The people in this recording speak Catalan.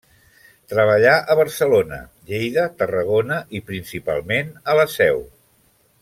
Treballà a Barcelona, Lleida, Tarragona i, principalment, a la Seu.